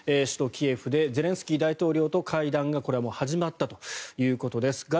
首都キエフでゼレンスキー大統領と会談が始まったということです。